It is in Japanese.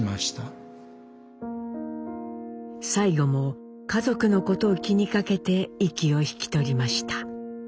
最期も家族のことを気にかけて息を引き取りました。